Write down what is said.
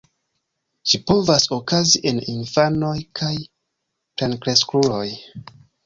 Ĝi povas okazi en infanoj kaj plenkreskuloj.